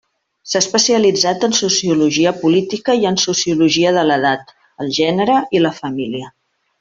S'ha especialitzat en sociologia política i en sociologia de l'edat, el gènere i la família.